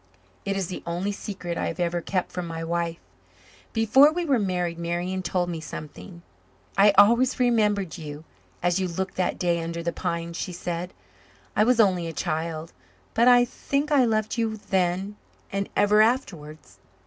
It is the only secret I have ever kept from my wife. Before we were married Marian told me something. "I always remembered you as you looked that day under the pines," she said. "I was only a child, but I think I loved you then and ever afterwards.